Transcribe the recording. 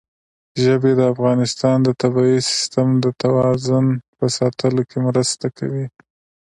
ژبې د افغانستان د طبعي سیسټم د توازن په ساتلو کې مرسته کوي.